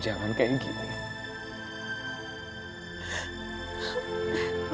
tahan dia ga bisa hidup